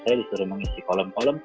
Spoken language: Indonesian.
saya disuruh mengisi kolom kolom